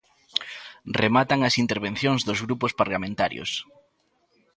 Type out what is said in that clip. Rematan as intervencións dos grupos parlamentarios.